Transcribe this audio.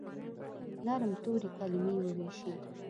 نرم توري، کلیمې وویشي